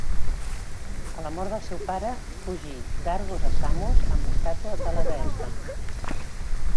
A la mort del seu pare, fugí d'Argos a Samos amb l'estàtua de la deessa.